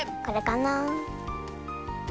これかな？